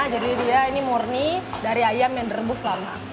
jadi dia ini murni dari ayam yang direbus lama